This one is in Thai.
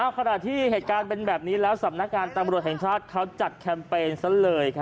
ขณะที่เหตุการณ์เป็นแบบนี้แล้วสำนักงานตำรวจแห่งชาติเขาจัดแคมเปญซะเลย